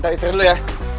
ntar istri dulu ya